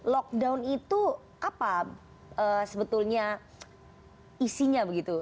lockdown itu apa sebetulnya isinya begitu